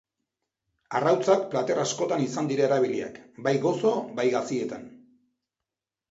Arrautzak plater askotan izan dira erabiliak, bai gozo bai gazietan.